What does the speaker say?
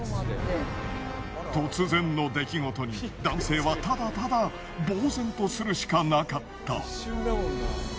突然の出来事に男性はただただぼう然とするしかなかった。